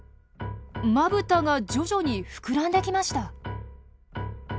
まぶたが徐々に膨らんできました。